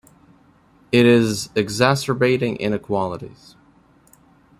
It is exacerbating inequalities.